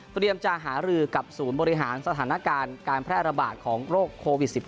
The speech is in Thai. เตรียมจะหารือกับศูนย์บริหารสถานการณ์การแพร่ระบาดของโรคโควิด๑๙